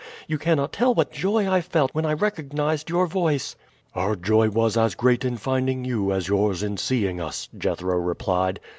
You cannot tell what joy I felt when I recognized your voice." "Our joy was as great in finding you as yours in seeing us," Jethro replied.